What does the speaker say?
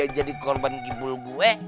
emak gue jadi korban ngipul gue